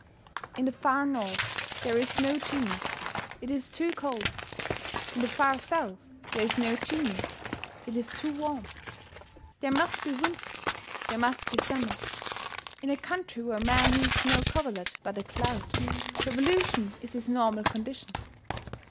In the far north there is no genius it is too cold. In the far south there is no genius it is too warm. There must be winter, and there must be summer. In a country where man needs no coverlet but a cloud, revolution is his normal condition.